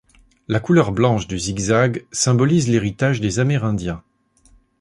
La couleur blanche du zig-zag symbolise l'héritage des amérindiens.